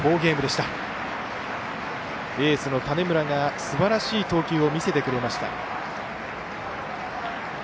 エースの種村がすばらしい投球を見せてくれました。